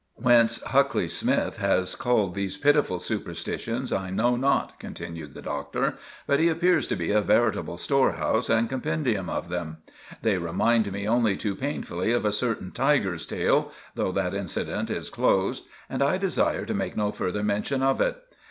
"Whence Huxley Smythe has culled these pitiful superstitions I know not," continued the Doctor; "but he appears to be a veritable storehouse and compendium of them. They remind me only too painfully of a certain tiger's tail, though that incident is closed, and I desire to make no further mention of it.